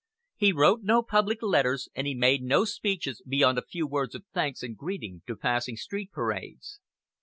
He wrote no public letters, and he made no speeches beyond a few words of thanks and greeting to passing street parades.